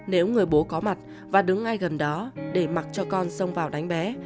nếu người bố có mặt và đứng ngay gần đó để mặc cho con sông vào đánh bé